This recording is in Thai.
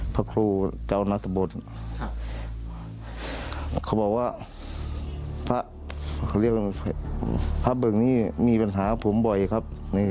พระครูเจ้านัสบดพระเบิกนี่มีปัญหาของผมบ่อยครับ